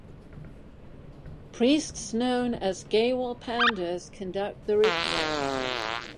Priests, known as Gaywal-pandas, conduct the ritual.